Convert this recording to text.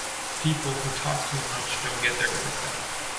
People who talk too much don’t get their work done.